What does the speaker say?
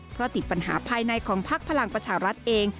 เพราะติดปัญหาภายในของพักพลังประชารัฐเอง